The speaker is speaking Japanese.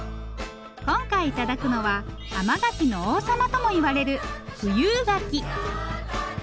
今回頂くのは甘柿の王様ともいわれる富有柿。